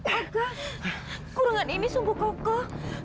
oka kurangan ini sungguh kokoh